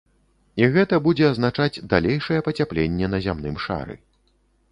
І гэта будзе азначаць далейшае пацяпленне на зямным шары.